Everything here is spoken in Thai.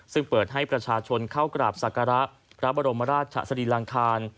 ซึ่งเปิดให้ประชาชนเข้ากราบศักระพระบรมราชสรีลังคาร